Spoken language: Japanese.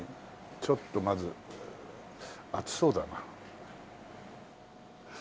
ちょっとまず熱そうだな。